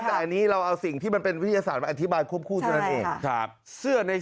แต่ตอนนี้เราเอาสิ่งที่มันเป็นวิทยาศาสตร์มาอธิบายควบคู่เฉย